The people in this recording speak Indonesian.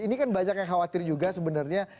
ini kan banyak yang khawatir juga sebenarnya